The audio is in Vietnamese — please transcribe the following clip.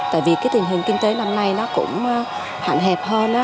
tại vì cái tình hình kinh tế năm nay nó cũng hạn hẹp hơn